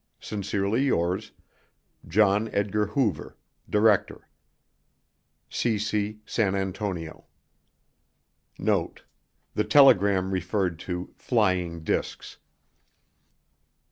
Sincerely yours, John Edgar Hoover Director cc San Antonio NOTE: The telegram referred to "flying discs."